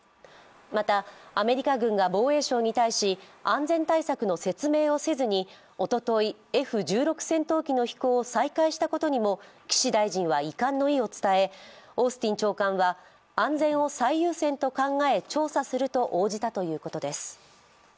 またアメリカ軍が防衛省に対し、安全対策の説明をせずにおととい、Ｆ１６戦闘機の飛行を再開したことにも岸大臣は遺憾の意を伝え、オースティン長官は安全を最優先と考え、調査すると応じたということです。